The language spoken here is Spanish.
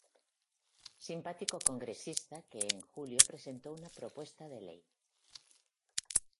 Simpático congresista que en Julio presentó una propuesta de ley